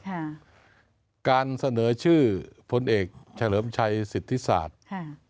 ค่ะการเสนอชื่อพลเอกเฉลิมชัยสิทธิศาสตร์ค่ะ